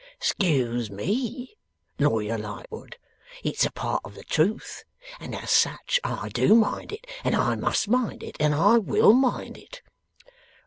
''Scuse ME, Lawyer Lightwood, it's a part of the truth, and as such I do mind it, and I must mind it and I will mind it.